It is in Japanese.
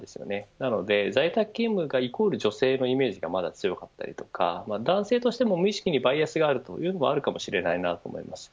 なので、在宅勤務がイコール女性のイメージがまだ強かったり男性としても無意識にバイアスがあるというのもあるかもしれないと思います。